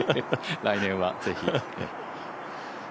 来年はぜひ。